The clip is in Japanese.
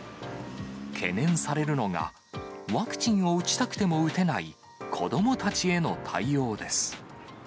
懸念されるのが、ワクチンを打ちたくても打てない子どもたちへの対応です。